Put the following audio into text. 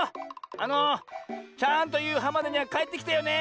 あのちゃんとゆうはんまでにはかえってきてよね。